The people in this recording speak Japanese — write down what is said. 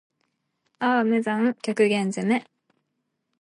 ああ無惨～極限責め～